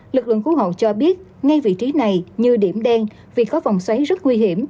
lực lượng cứu hộ cho biết ngay vị trí này như điểm đen vì có vòng xoáy rất nguy hiểm